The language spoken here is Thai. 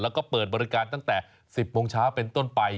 แล้วก็เปิดบริการตั้งแต่๑๐โมงเช้าเป็นต้นไป